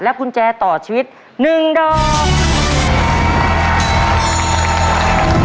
กุญแจต่อชีวิต๑ดอก